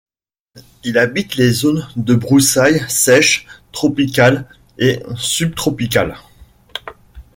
Il habite les zones de broussailles sèches tropicales et subtropicales.